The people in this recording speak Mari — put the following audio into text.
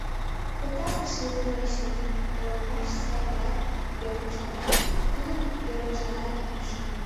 «Пытартыш единоличник» ойлымаш сай гынат, Ефрушланат, тудын геройжыланат ом ӱшане.